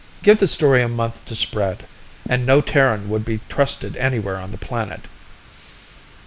"Give the story a month to spread, and no Terran would be trusted anywhere on the planet.